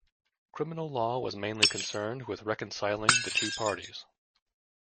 Criminal law was mainly concerned with reconciling the two parties.